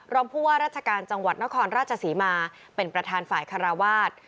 รองผู้ว่าราชการจังหวัดนครราชศรีมาเป็นประธานฝ่ายคาราวาส